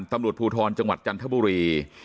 ตำรวจภูทรจังหวัดจันทบุรี